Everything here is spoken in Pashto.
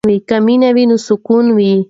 که مینه وي نو سکون وي.